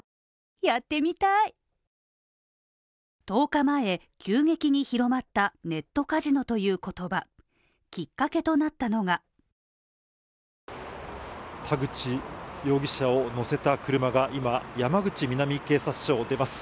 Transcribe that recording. １０日前、急激に広まったネットカジノという言葉きっかけとなったのが田口容疑者を乗せた車が今、山口南警察署を出ます。